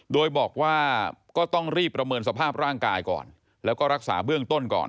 โดยบอกว่าก็ต้องรีบประเมินสภาพร่างกายก่อนแล้วก็รักษาเบื้องต้นก่อน